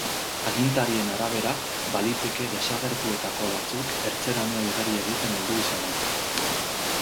Agintarien arabera, baliteke desagertuetako batzuk ertzeraino igeri egiten heldu izana.